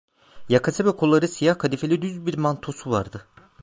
Yakası ve kolları siyah kadifeli düz bir mantosu vardı.